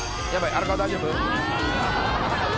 荒川大丈夫？」